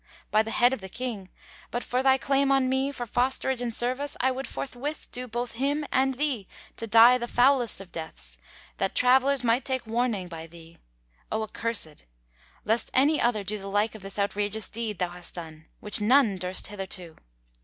By the head of the King, but for thy claim on me for fosterage and service, I would forthwith do both him and thee to die the foulest of deaths, that travellers might take warning by thee, O accursed, lest any other do the like of this outrageous deed thou hast done, which none durst hitherto!